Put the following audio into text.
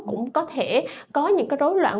cũng có thể có những rối loạn